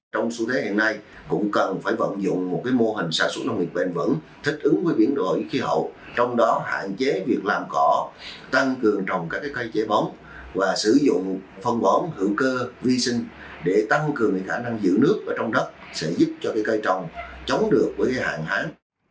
trong xu thế hiện nay cũng cần phải vận dụng một mô hình sản xuất nông nghiệp bền vững thích ứng với biến đổi khí hậu trong đó hạn chế việc làm cỏ tăng cường trồng các cây chế bóng và sử dụng phân bón hữu cơ vi sinh để tăng cường khả năng giữ nước ở trong đất sẽ giúp cho cây trồng chống được hạn hán